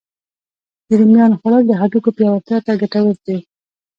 د رومیانو خوړل د هډوکو پیاوړتیا ته ګتور دی